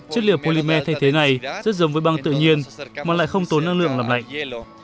chất liệu polymer thay thế này rất giống với băng tự nhiên mà lại không tốn năng lượng làm lạnh